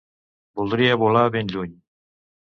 Voldria volar ben lluny